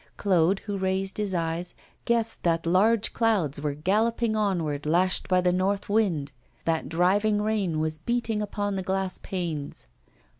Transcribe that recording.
Claude, who raised his eyes, guessed that large clouds were galloping onward lashed by the north wind, that driving rain was beating upon the glass panes.